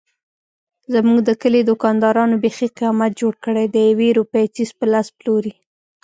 زموږ د کلي دوکاندارانو بیخي قیامت جوړ کړی دیوې روپۍ څيز په لس پلوري.